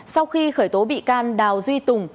sau khi khởi tố bị can đào duy tùng